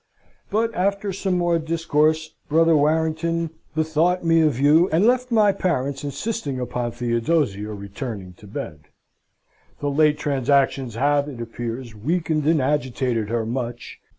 "But after some more discourse, Brother Warrington! bethought me of you, and left my parents insisting upon Theodosia returning to bed. The late transactions have, it appears, weakened and agitated her much.